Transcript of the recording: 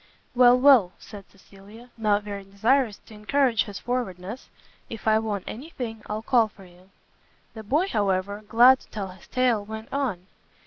"Well, well," said Cecilia, not very desirous to encourage his forwardness, "if I want any thing, I'll call for you." The boy, however, glad to tell his tale, went on.